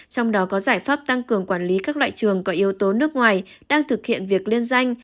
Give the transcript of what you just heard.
trong đó có giải pháp tăng cường quản lý các loại trường có yếu tố nước ngoài đang thực hiện việc liên danh